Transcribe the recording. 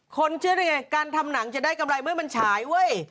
คนเชื่อได้ไงการทำหนังจะได้กำไรเมื่อมันฉายเว้ย